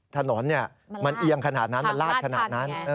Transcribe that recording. ถนนมันเอียงขนาดนั้นมันลาดขนาดนั้น